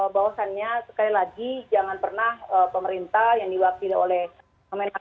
bahwasannya sekali lagi jangan pernah pemerintah yang diwakili oleh menaklu